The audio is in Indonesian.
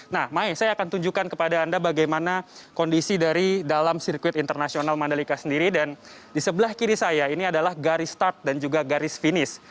nah mai saya akan tunjukkan kepada anda bagaimana kondisi dari dalam sirkuit internasional mandalika sendiri dan di sebelah kiri saya ini adalah garis start dan juga garis finish